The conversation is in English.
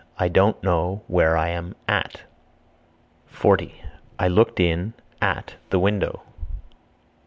I don't know where I am (at). 40. I looked in (at) the window.